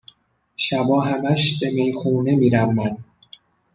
شبا همش به میخونه میرم من